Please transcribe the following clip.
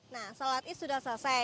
nah sholat id sudah selesai